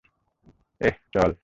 এহ, চল।